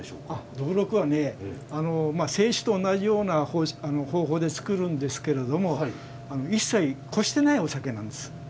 どぶろくはね清酒と同じような方法で造るんですけれども一切濾してないお酒なんです。